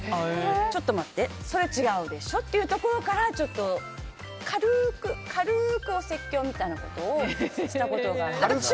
ちょっと待って、それ違うでしょっていうところから軽くお説教みたいなことをしたことがあります。